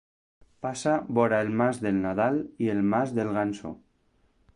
Passa vora el Mas del Nadal i el Mas del Ganso.